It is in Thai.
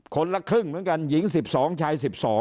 คนละครึ่งเหมือนกันหญิง๑๒ชาย๑๒